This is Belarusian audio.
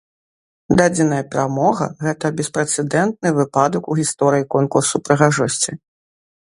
Дадзеная перамога, гэта беспрэцэдэнтны выпадак у гісторыі конкурсу прыгажосці.